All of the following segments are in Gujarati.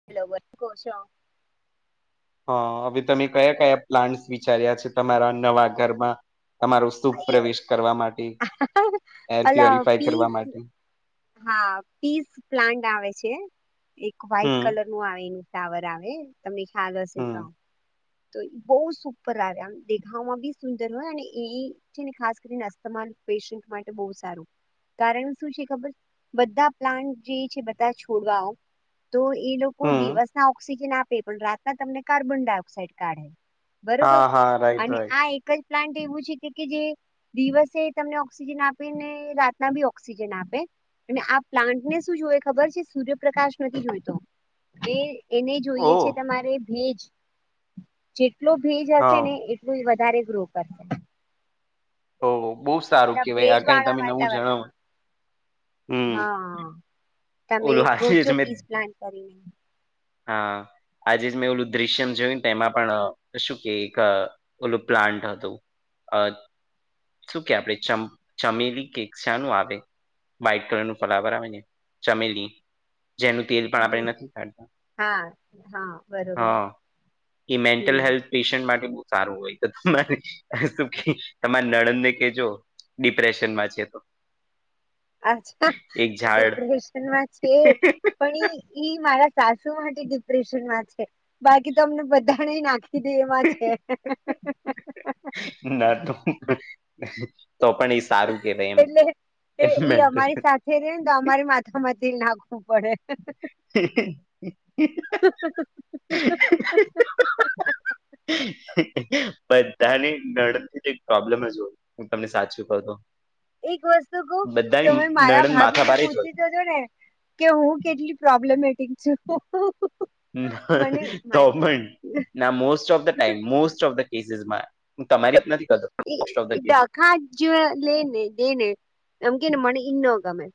[inaudible] હા. હવે તમે કયાં-કયાં પ્લાન્ટસ વિચાર્યા છે તમારા નવા ઘરમાં તમારો શુભ પ્રવેશ કરવા માટે? એર અલા પ્યોરિફાય કરવા પીસ માટે? હા, પીસ પ્લાન્ટ આવે છે, એક વ્હાઈટ હમ કલર નું આવે એ ફ્લાવર આવે, તમને ખ્યાલ હશે તો. હમ તો બહુ સુપર આવે, આમ દેખાવામાં બી સુંદર હોય અને એ છેને ખાસ કરીને અસ્થમાલ પેશ માટે બહુ સારું કારણ શું છે ખબર બધા પ્લાન્ટ જે છે બધા છોડવાઓ તો એ લોકો હમ દિવસના ઓક્સિજન આપે પણ રાતના તમને કાર્બન ડાયોક્સાઇડ કાઢે. હા બરોબર હા રાઈટ અને રાઈટ આ એક જ પ્લાન્ટ એવું છે કે કે જે દિવસે તમને ઓક્સિજન આપે ને રાતના બી ઓક્સિજન આપે. અને આ પ્લાન્ટને શું જોઈએ ખબર છે, સૂર્યપ્રકાશ નથી જોયતો. બે એને ઓ જોઈએ છે તમારે ભેજ જેટલો ભેજ હશે હા ને એટલુંજ વધારે ગ્રો કરશે. ઓ બહુ સારું એટલે કેવાય, ભેજ આ કઈ વાળા તમે નવું જણાવો. વાતાવરણમાં હમ હા, તમે ઓલું આજે જ ગુજો મેં પીસ પ્લાન કરી હા. આજે જ મેં ઓલું દ્રશ્યમ જોયું ને એમાં પણ શું કે એક ઓલું પ્લાન્ટ હતું. અહ શું કે આપડે ચમ ચમેલી કે શાનું આવે વાઇટ કલરનું ફલાવર આવેને ચમેલી, જેનું તેલ પણ હમ આપડે હમ નથી કાઢતા. હા, હા. બરોબર હા, એ મેન્ટલ હમ હેલ્થ. પેશન્ટ માટે બો સારું હોય તો તમારે શું કે તમારી નડંદને કેજો. ડિપ્રેશનમાં છે તો. અચ્છા એક ઝાડ ડિપ્રેશનમાં છે. પણ ઈ મારા સાસુ માટે ડિપ્રેશનમાં છે, બાકી તો અમને બધાને નાખી કીધી એમાં છે. ના તો પણ સારું કેવાય એમ એટલે એમ ઈ મેન્ટલ અમારી સાથે રે ને તો અમારી માથા માંથી નાખવું પડે. [inaudible] બધાની નણંદથી પ્રોબ્લેમ જ હોય. હું તમને સાચું કવ તો. એક વસ્તુ કવ, બધાની તમે મારા નણંદ માથા ભાભીને ભારે જ હોય પૂછી જોજો ને કે હું કેટલી પ્રોબ્લેમેટિક છું. ના મને તો પણ, ના most of the time, most of the કેસીસમાં હું તમારી નથી કરતો મોસ્ટ ઓફ ધ કેસીસમાં ડખા જ લેને દેને, એમ કેને મને ઇ ના ગમે.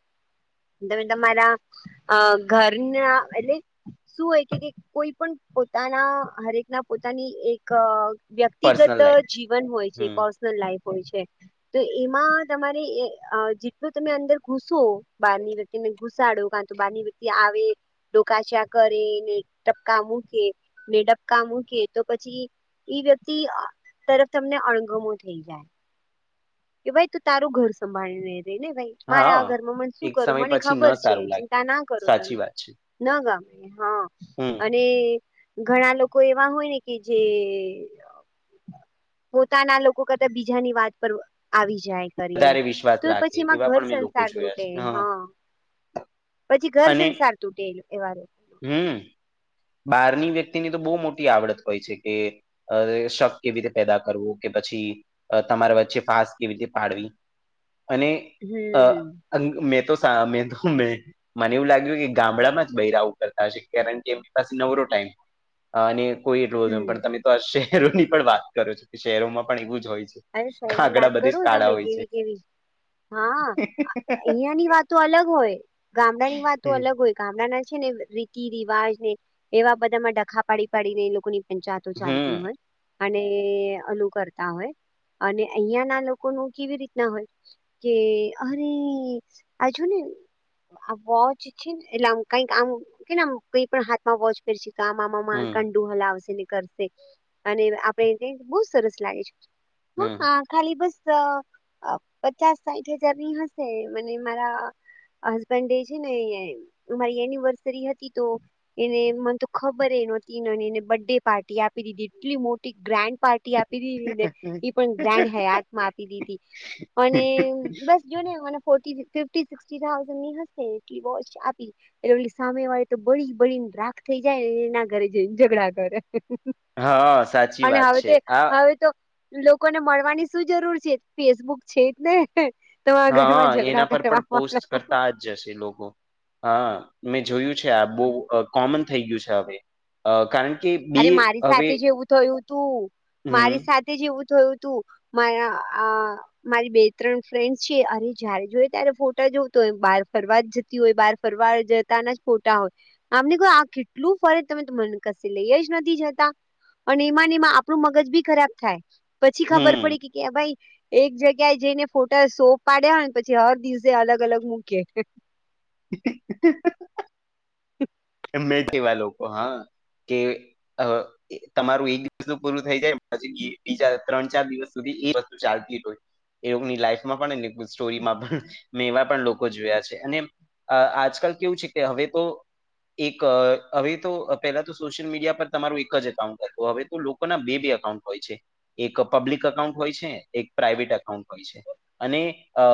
તમે તમારા અહ ઘરના એટલે શું હોય કે કોઈ પણ પોતાના હરેક ના પોતાની એક વ્યક્તિગત પર્સનલ લાઈફ જીવન હોય છે. હમ પર્સનલ લાઇફ હોય છે, તો એમાં તમારે અહ જેટલું તમે અંદર ઘુસો બહારની વ્યક્તિને ઘુસાડો, કાતો બહારની વ્યક્તિ આવે ડોકાચીયા કરેને ટપકા મૂકે ને ડપકા મૂકે તો પછી ઈ વ્યક્તિ અહ તરફ તમને અણગમો થઈ જાય. કે ભાઈ તું તારું ઘર સંભાળીને રે ને ભાઈ. મારા હા આ ઘરમાં મને શું એક કરું સમય મને પછી ન ખબર છે. સારું લાગે ચિંતા ના કરો સાચી તમે. વાત છે ના ગમે હા હમ અને ઘણા લોકો એવા હોય ને કે જે પોતાના લોકો કરતાં બીજાની વાત પર આવી જાય કરીને, વધારે વિશ્વાસ તો રાખે પછી એમાં એવા ઘર પણ મેં લોકો સંસાર જોયા તૂટે છે હા. પછી ઘર અને સંસાર તૂટેલ આવામાં. હમ. બહારની વ્યક્તિની તો બહુ મોટી આવડત હોય છે કે અરે શક કેવી રીતે પેદા કરવું કે પછી તમારા વચ્ચે ફાસ્ટ કેવી રીતે પાડવી, અને અ હમ અ મેં તો સા મે તો મેં મને એવું લાગ્યું કે ગામડામાં જ બૈરાવું કરતા હશે કારણ કે નવરો ટાઈમ, અને કોઈ હમ એટલું પણ તમે તો આ શહેરોની પણ વાત કરો છો કે શહેરોમાં પણ એવું જ હોય છે. અરે શહેરની કાગડા વાત બધે જ કરું કાળા તમને હોય છે. કેવી કેવી હા, અહયા ની વાત. તો અલગ હોય ગામડા ની વાત તો હમ અલગ હોય. ગામડા છે ને રીતિ રિવાજ ને, એવા બધામાં ડખા પાડી પાડીને એ લોકોની એ ચાતો ચાલતી હોય, અને અનુકરતા હોય. અને અહં ના લોકો ન કેવી રીતના હોય. કે અરે આજો ને. આ વોચ છે ને એટલે આમ કઈક આમ કે આમ કઈ પણ હાથમાં વોચ કરશ તો આ હમ આમા ક હ હમ. કર અને આપે બ સરસ લાગે છે. ખાલી બસ, પચાસ સાઠ હજાર ની હશે મને મારા હસબન્ડ ડે છે ને મારી એનિવર્સરી હતી તો એને મને તો ખબર એ નહોતી એને બર્થડે પાર્ટી આપી દીધી એટલી મોટી ગ્રાન્ડ પાર્ટી. આપી દીધ ને, એ પણ ગ્રાન્ડ હયાતમાં આપી દીધી, અને બસ જો નેને ફોર્ ફિફી સિક્ થાઉઝડ ની હશે વોચ આપી. એટલે ઓલી સામે વાળી તો બળી બળી ને રાખ થઈ જાય ને એના ઘરે જઈને ઝઘડા ઘરે. હા સાચી અને વાત હવે છે તે આ હવે તો લોકોને મળવાની શું જરૂર છે, ફેસબુક છે ને. તમારા હા ઘરમાં એના ઝઘડા પર પણ કરવા પોસ્ટ ડ. કરતા જશે લોકો, હા મેં જોયું છે આ બહ કોમન થઈ ગયું છે હવે, કારણ કે બે અરે મારી હવે સાથે જેવું થયું તું, મારી હમ સાથે તે જેવું થયું તું, મારા આ મારી બે ત્રણ ફ્રેન્ડ છે અરે જયારે જોય ત્યારે ફોટા જોવ તો હોય બાર ફરવા જ જતી હોય બાર ફરવાર જતાના જ ફોટા હોય, આમને કો આ કેટલું ફરજ તમે મ લઈએ જ નથી જતા, પણ એમાંને એમાં આપણું મગજ બી ખરાબ થાય. પછી ખબર હમ પડી કે કે ભાઈ એક જગ્યાએ જઈને ફોટા શો પાડ્યાને પછી હર દિવસે અલગ અલગ મૂકે. [unintelligible] એ મે છેવા લોકો હા, કે તમારું એક દિવસ તો પૂરું થઈ જાય પછી બીજા ત્રણ ચાર દિવસ સુધી એ વસ્તુ ચાલતી હોય. એવ લાઈફમાં પણ હમ સ્ટોરીમાં મેવા પણ લોકો જોયા છે અને આજકાલ કેવું છે કે હવે તો એક હવે તો પહેલા તો સોશિયલ મીડિયા પર તમારું એક જ એકાઉન્ટ હતું હવે તો લોકો ના બે બે એકાઉન્ટ હોય છે એક પબ્લિક અકાઉન્ટ હોય છે, એક પ્રાઇવેટ અકાઉન્ટ હોય છે. અને અ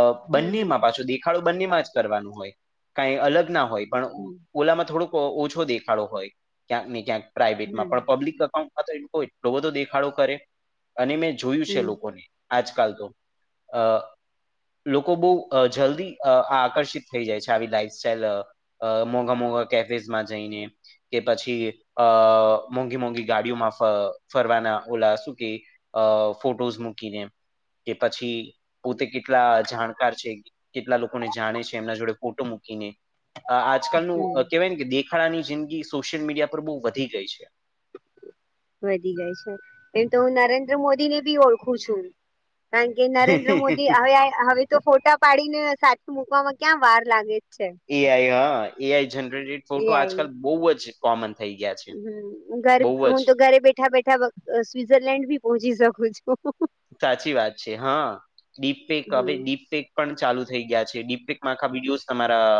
હમ બંનેમાં પાછું દેખાડો બંનેમાં જ કરવાનું હોય કઈ અલગ ના હોય પણ હમ ઓલામાં થોડુંક અ ઓછો દેખાડો હોય ક્યાંક ને ક્યાંક પ્રાઈવેટમાં હમ પણ પબ્લિક એકાઉન્ટ માંતો એક એટલો બધો દેખાડો કરે અને મેં જોયું છે હમ લોકોને આજકાલ તો અ લોકો બો અ જલ્દી આકર્ષિત થઈ જાય છે આવી લાઈફ સ્ટાઈલ અ મોંઘા મોઘા કેફેઝમાં જઈને કે પછી અ મોંઘી મોંઘી ગાડીઓમાં ફરવાના ઓલા સુ કેય અ ફોટોઝ મૂકીને કે પછી પોતે કેટલા જાણકાર છે, કેટલા લોકોને જાણે છે એમના જોડે ફોટો મૂકીને. અ આ આજકાલનું હમ કહેવાય ને કે દેખાડાની જિંદગી સોશિયલ મીડિયા પર બો વધી ગઈ છે. વધી ગઈ છે એમ તો હું નરેન્દ્ર મોદી ને બી ઓળખું છું. કારણ કે નરેન્દ્ર મોદી હવે હવે તો ફોટા પાડીને સાથે મુકવામાં ક્યાં વાર લાગે. છે એ આઈ હા એ આઈ જનરેટેડ ફોટો આજકાલ બહુ જ કોમન થઈ ગયા છે. હમમ ઘર બહુ જ હું તો ઘરે બેઠા બેઠા સ્વિટઝરલેન્ડ બી પહોંચી શકું છું. સાચી વાત છે હા ડીપેક હવે હમ ડીપેક પણ ચાલુ થઈ ગયા છે ડીપેકમાં આખા વિડીયોસ તમારા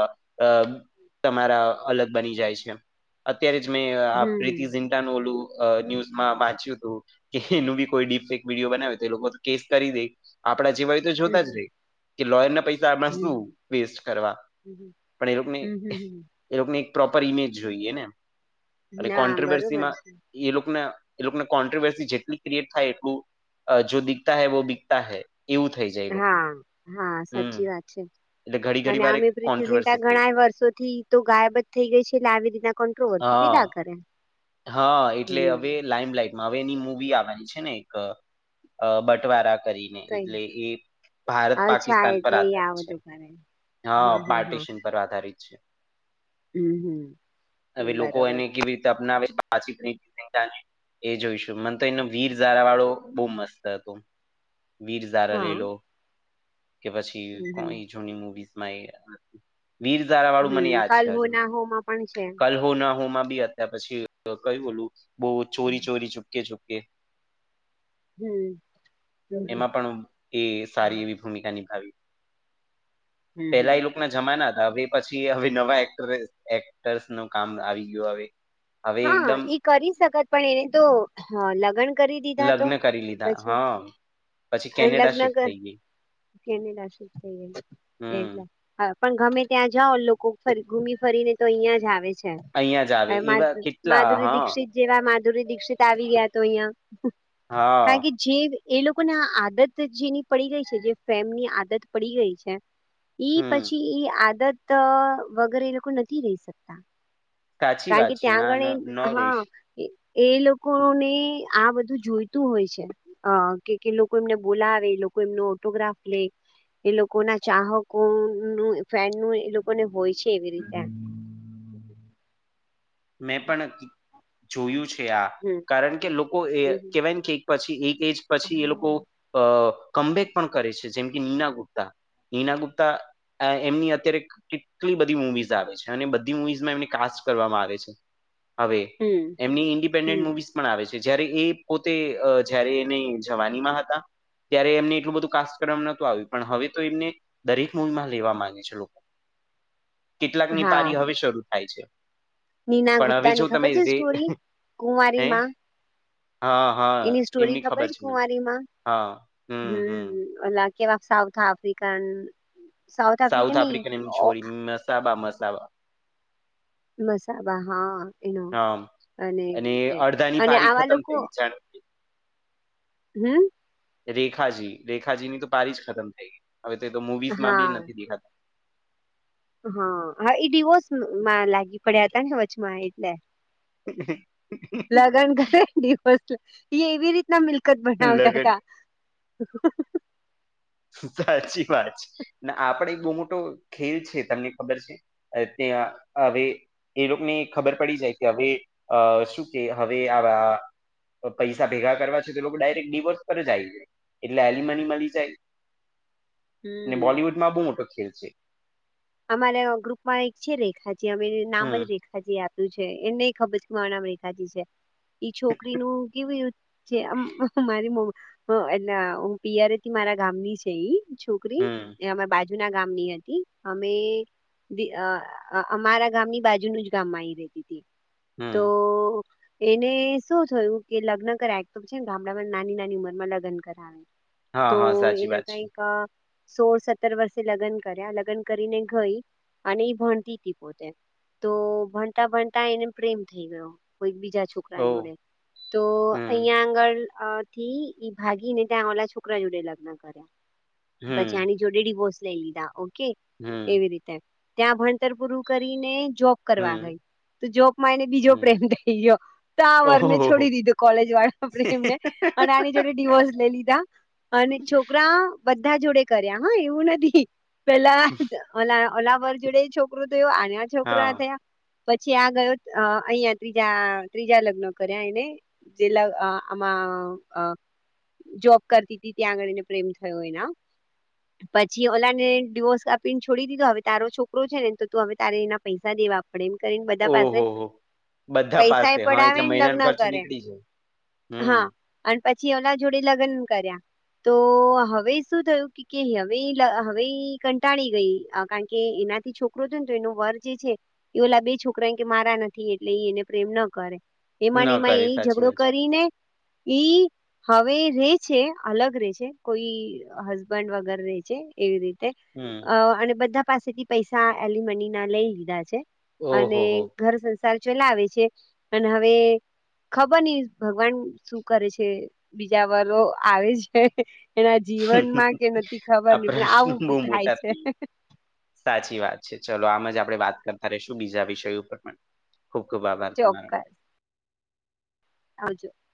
તમારા અલગ બની જાય છે અત્યારે જ મેં હમ પ્રીટી ઝિન્ટા ઓલું ન્યુઝમાં વાંચ્યું તું કે એનું બી કોઈ ડીપેક વિડીયો બનાવ્યું તે એ લોકો કેસ કરી દે આપણા જેવા હોય તો જોતા જ હમ રેય. કે લોયર ના પૈસા આમાં શું હમ વેસ્ટ કરવા હમ પણ એ લોકોને હમ હમ એ લોકોને એક પ્રોપર ઇમેજ જોઈએ ને એટલે ના બરોબર કોન્ટ્રોવર્સીમાં છે એ લોકોને એ લોકોને કોન્ટ્રોવર્સી જેટલી ક્રિએટ થાય એટલું અ જો દિખતા હૈ વો બીકતા હૈ. એવું થઈ જાય એ લોકોને હા હા હમ સાચી વાત છે. એટલે ઘડી અને ઘડી વાર આમ એક યે પ્રીતિ ઝિન્ટા કોન્ટ્રોવર્સી ઘણા ક્રિએટ યે થાય વર્ષોથી તો ગાયબ જ થઈ ગઈ છે એટલે આવી રીતના કોન્ટ્રોવર્સી પેદા હા કરે. હા એટલે હવે હમ લાઈમ લાઈટમાં હવે એની મૂવી આવાની છે ને એક બટવારા કરીને કઈ એટલે એ ભારત અચ્છા પાકિસ્તાન પર એટલે એ આધારીત આ છે. બધું કરે હા પાર્ટિશન પર આધારિત છે. હમ હમ હવે લોકો બરોબર એને કેવી રીતે અપનાવે પાછી પ્રીતિ ઝિન્ટા ને એ જોઈશું મને તો એનું વીર ઝારા વાળું બો મસ્ત હતું. વીર ઝારા હા લેલો કે પછી હમ હમ કોઈ જૂની મુવીઝ માં એ વીરા ઝારા વાળું મને હમ યાદ કલ છે હો હજુ ના હો માં પણ છે હો ના હો માં બી હતા પછી કયું ઓલું બો ચોરી ચોરી ચૂપકે ચૂપકે હમમ. એમાં પણ એ સારી એવી ભૂમિકા નિભાવી. હમ પહેલા હમ એ લોકો જમાના હતા હવે પછી હવે નવા એક્ટ એક્ટર્સ નું કામ આવી ગીયુ હવે. હવે હા એકદમ એ કરી શકત પણ એને તો હા લગ્ન કરી દીધા તો લગ્ન કરી લીધા પછી હા પછી અને કેનેડા લગ્ન શિફ્ટ કર થઈ ગઈ કે નાસીક થયે હમ એટલે હા પણ ગમે ત્યાં જાઓ લોકો ફ ઘૂમ ફરીને તો અહિયાં જ આવે છે અહિયાં જ આવે એવા કેટલા માધુરી હા દીક્ષિત જેવા માધુરી દીક્ષિત આવી ગયા તો અહિયાં હા કારણ કે જે એ લોકોને આદત જેની પડી ગઈ છે જે ફેમની આદત પડી ગઈ છે ઈ હમ પછી એ આદત વગર એ લોકો નથી રહી સકતા. સાચી કારણ વાત કે છે ત્યાં ના ન આગળ ન હા રહીશ એ લોકોને આ બધું જોઈતું હોય છે. અ કે લોકો એમને બોલાવે લોકો એમનો ઓટોગ્રાફ લે. એ લોકો ના ચાહકો નું ફન નું એ લોકોને હોય છે એવી રીતે. મેં પણ જોયું છે આ હમ કારણ કે લોકો એ હમ કેવાય કે પછી એક એજ પછી એ લોકો અ કમબેક પણ કરે છે જેમ કે નીના ગુપ્તા. હઈના ગુપ્તા એમની અત્યારે કેટલી બધી મુવીઝ આવે છે અને બધી મુવીઝમાં એમને કાસ કરવામાં આવે છે. હવે હમ એમની હમ ઇન્ડિપેન્ડન્ટ મુવીઝ આવે છે જયારે એ પોતે જયારે એને જવાની માં હતા. ત્યારે એમને એટલું બધું કાસકરમ નતું આવ્યું પણ હવે તો એમને દરેક મૂવીમાં લેવા માંગે છે લોકો. કેટલાકની હા પારી હવે શરૂ થાય છે. નીના પણ હવે ગુપ્તા જો ની તમે ખબર છે જે સ્ટોરી હે કુંવારીમાં હા. હા એની સ્ટોરી એમની ખબર છે મને, કુંવારીમાં હા હમ હમ. કેવા સાઉથ આફ્રિકન સાઉથ આફ્રિકન નહી સાસાબા મસાબ. મસાબા હા એનો હા, અને એવી રીતે અડધાની અને પારી આવા ખતમ લોકો થઈ ગઈ જાણે કે હમ. રેખાજી રેખાજીની તો પારી જ ખતમ થઈ ગઈ, હવે તે તો મુવીઝમાં બી હા નથી દેખાતા. હા હા એ ડિવોર્સમાં લાગી પડ્યા હતા ને વચ્ચમાં એટલે. હ [unintelligible] લગન કરે વ ડિવોઝ એ એવી રીતના મિલકત બનાવતા લગન હતા. હ [unintelligible] સાચી વાત છે આપડે એક બહુ મોટો ખેલ છે તમને ખબર છે? એ ત આવીભી [unintelligible] એ લોકોને ખબર પડી જાય કે હવે શું કે હવે આવા પૈસા ભેગા કરવા છે તો લોકો ડાયરેક્ટ ડીવોર્સ પર જ આવી જાય, એટલે એલિમની મળી જાય. ને હમ. બોલિવૂડમાં બહુ મોટો ખેલ છે. અમારે ગ્રુપમાં એક છે રેખા જે અમે નામ જ હમ રેખા. આપ્યું છે એ ન ખબર કે મારું નામ રેખાજી છે, ઈ છોકરીનું કેવું કે મારી એ પીયરેથી મારા ગામની છે એ છ છોકરી હમ અમાર બાજુના ગામની હતી. અમે અમારા ગામની બાજુનું જ ગામમાં આવી રેતી હતી. તો હમ એને શું થયું કે લગ્ન કરાય તો છે ને ગામડામાં નાની નાની ઉંમરમાં લગ્ન કરાવે. હા તો હા સાચી એના વાત છે કઈક સોળ સત્તર વર્ષે લગ્ન કર્યા લગ્ન કરીને ગઈ, અને એ ભણતી હતી પોતે. તો ભણતા ભણતા એને પ્રેમ થઈ ગયો કોઈ બીજા છોકરા જોડે. ઓહ તો હમ અહીં આગળથી ઈ ભાગી ને ત્યાં ઓલા છોકરા જોડે લગ્ન કર. પછી હમ આની જોડે ડિવોર્સ લઈ લીધા ઓકે, હમ એવી રીતે. ત્યાં ભણતર પૂરું કરીને જોબ કરવા હમ ગઈ. તો જોબમાં એને બીજો હમ પ્રેમ થઈ ગયો. તા વરને ઓહો છોડી દીધું કોલેજ વાળા પ્રેમને અને આની જોડે, ડીવોર્સ લે લીધો. અને છોકરા બધા જોડે કર્યા હા એવું નથી, પેલા અ અલા વર જોડે છોકરું તો આના છોકરા હા થયા. પછી આગળ અ અહિયાં ત્રીજા ત્રીજા લગ્ન કર્યા એણે. જેલા આમાં અ જોબ કરતી હતી ત્યાં આગળ એને પ્રેમ થયો હોય. પછી ઓલાને ડિવોર્સ આપીને છોડી દીધો હવે તારો છોકરો છેને, તો તું હવે ત એના પૈસા દેવા પડે એમ કરીને બધા પાસે ઓહો હો બધા પૈસા પાસે એ હા એટલે પડાવે ને મહિનાનો લગ્ન ખર્ચ કરે નીકળી જાય હમ હા અને પછી એમના જોડે જ લગ્ન કર્યા તો હવે શું થયું હવે હવે કટાળી ગઈ કારણ કે એનાથી છોકરો હતો ને તો એનો વર જે છે. એલા બે છોકરા કે મારા નથી એટલે એ એને પ્રેમ ન કરે ન એમાં એમાં કરે એ સાચી ઝઘડો વાત છે કરીને ઈ હવે રે છે અલગ રે છે કોઈ હસબન્ડ વગર રે છે એવી રીતે હમ અ અને બધા પાસેથી પૈસા એલી મનીના લઈ લીધા છે અને ઓહો હો ઘર ચલાવે છે, અને હવે ખબર નઈ ભગવાન શું કરે છે બીજા વરો આવે છે. એના જીવનમાં કે નથી ખબર આ ન પણ પ્રશ્ન આવું બહુ થાય મોટા છે. થઈ ગયા. સાચી વાત છે ચલો આમ જ આપડે વાત કરતા રેશું બીજા વિષય ઉપર પણ ખુબ ખુબ આભાર તમારો હાજુ